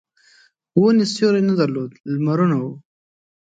ونې سیوری نه درلود لمرونه وو.